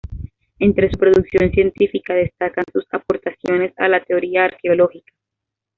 Entre su producción científica, destacan sus aportaciones a la teoría arqueológica.